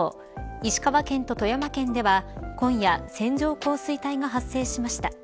石川県と富山県では今夜線状降水帯が発生しました。